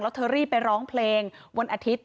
แล้วเธอรีบไปร้องเพลงวันอาทิตย์